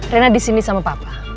rena disini sama papa